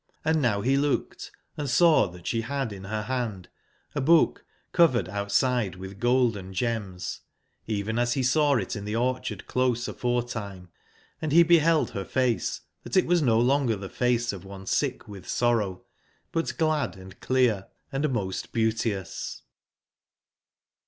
Hnd now be loohed^and saw tbat sbe bad in ber band a book covered outside witb gold & gems, even as be saw it in tbe orcbard/close aforetime: and be bebeld ber face tbat it was no longer tbe face of one sick witb sorrow; but glad and clear, and most beauteous.